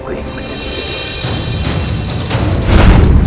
aku ingin menemukanmu